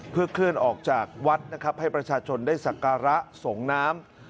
เพื่อเคลื่อนออกจากวัดนะครับให้ประชาชนได้สักการะส่งน้ำ